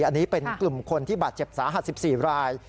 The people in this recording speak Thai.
อันนี้เป็นกลุ่มคนที่บาดเจ็บสาหัส๑๔ราย